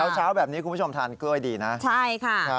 เช้าแบบนี้คุณผู้ชมทานกล้วยดีนะใช่ค่ะ